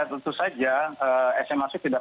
tentu saja sma saya tidak